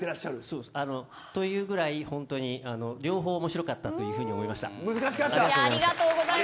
そうです、というぐらい両方面白かったと思いました。